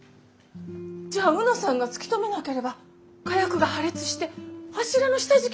じゃあ卯之さんが突き止めなければ火薬が破裂して柱の下敷きになっていたということですか？